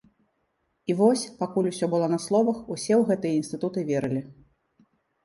І вось, пакуль усё было на словах, усе ў гэтыя інстытуты верылі.